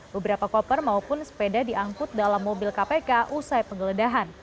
beberapa koper maupun sepeda diangkut dalam mobil kpk usai penggeledahan